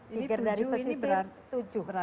siger dari pesisir tujuh